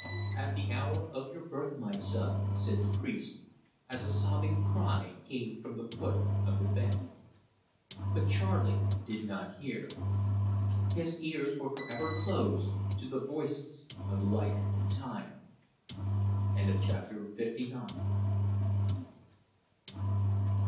"At the hour of your birth, my son," said the priest, as a sobbing cry came from the foot of the bed. But Charley did not hear. His ears were for ever closed to the voices of life and time. CHAPTER LX.